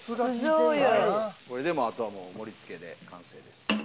これでもうあとは盛り付けで完成です。